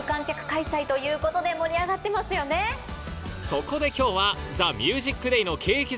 そこで今日は『ＴＨＥＭＵＳＩＣＤＡＹ』の景気